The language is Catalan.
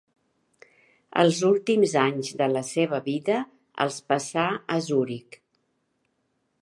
Els últims anys de la seva vida els passà a Zuric.